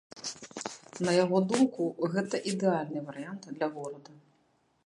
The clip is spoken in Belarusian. На яго думку, гэта ідэальны варыянт для горада.